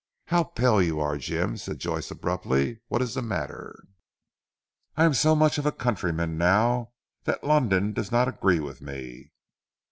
"How pale you are Jim," said Joyce abruptly, "what is the matter?" "I am so much a countryman now, that London does not agree with me."